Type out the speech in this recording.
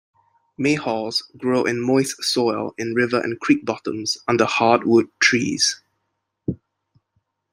Mayhaws grow in moist soil in river and creek bottoms under hardwood trees.